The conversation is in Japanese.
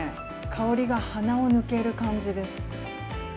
香りが鼻を抜ける感じです。